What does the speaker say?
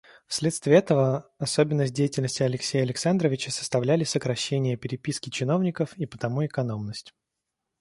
Вследствие этого особенность деятельности Алексея Александровича составляли сокращение переписки чиновников и потому экономность.